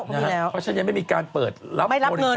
เพราะฉะนั้นยังไม่มีการเปิดรับบริจาค